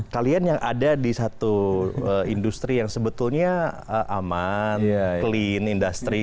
kalian yang ada di satu industri yang sebetulnya aman clean industry